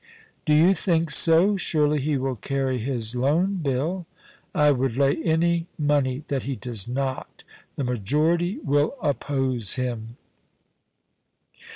* Do you think so ? Surely he will carry his Loan Bill* ' I would lay any money that he does not The majority will oppose him.